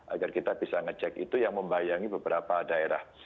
agar kita bisa ngecek itu yang membayangi beberapa daerah